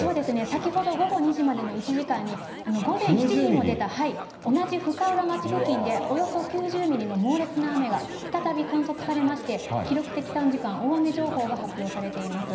先ほど午後２時までの１時間に、午前７時にも出た同じ深浦町付近でおよそ９０ミリの猛烈な雨が、再び観測されまして、記録的短時間大雨情報が発表されています。